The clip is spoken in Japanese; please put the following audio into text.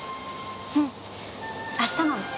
うん明日なの。